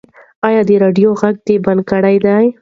ایا د راډیو غږ دې بند کړی دی؟